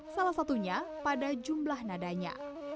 salah satunya pada jumlah nadanya